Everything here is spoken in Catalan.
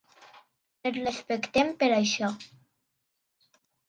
El respectem per això.